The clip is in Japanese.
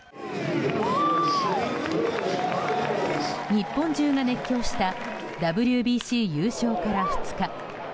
日本中が熱狂したＷＢＣ優勝から２日。